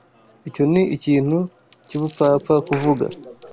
Icyo ni ikintu cyubupfapfa kuvuga.